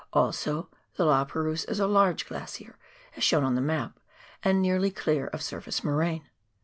Also the La Perouse is a large glacier, as shown on the map, and nearly clear of surface moraine.